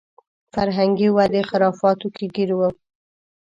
فرهنګي ودې خرافاتو کې ګیر و.